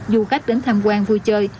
du khách đến tham quan vui chơi